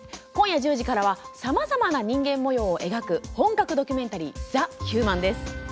今夜１０時からはさまざまな人間もようを描く本格ドキュメンタリー「ザ・ヒューマン」です。